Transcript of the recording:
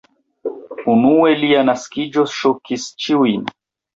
Unue lia naskiĝo ŝokis ĉiujn.